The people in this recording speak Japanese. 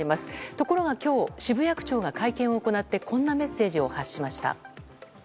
ところがきょう、渋谷区長が会見を行って、こんなメッセージを発しました。